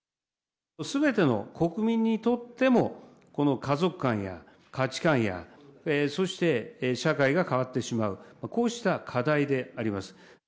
すべての国民にとってもこの家族観や価値観やそして社会が変わってしまう、こうした課題であります。